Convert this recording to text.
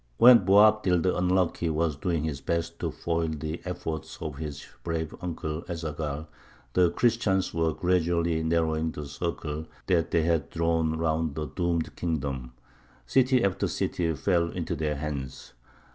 [Illustration: MOSQUE LAMP FROM GRANADA.] While Boabdil the Unlucky was doing his best to foil the efforts of his brave uncle Ez Zaghal, the Christians were gradually narrowing the circle that they had drawn round the doomed kingdom. City after city fell into their hands.